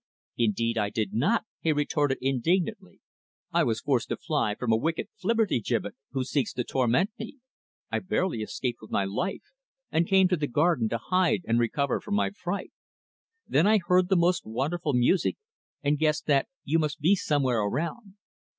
"Indeed, I did not," he retorted indignantly. "I was forced to fly from a wicked Flibbertigibbet who seeks to torment me. I barely escaped with my life, and came into the garden to hide and recover from my fright. Then I heard the most wonderful music and guessed that you must be somewhere around.